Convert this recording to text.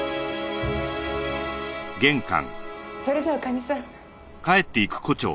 それじゃあ女将さん。